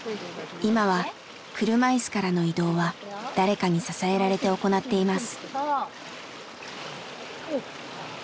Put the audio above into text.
今は車いすからの移動は誰かに支えられて行っています。